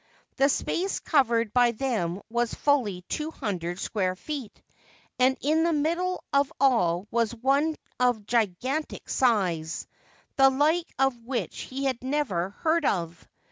The space covered by them was fully 200 square feet, and in the middle of all was one of gigantic size, the like of which he had never heard of.